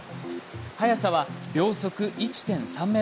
速さは、秒速１．３ｍ。